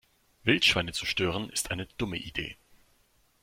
Wildschweine zu stören ist eine dumme Idee.